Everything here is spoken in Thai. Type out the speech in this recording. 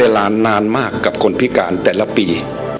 เวลานานมากกับคนพิการแต่ละปี